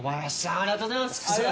ありがとうございます。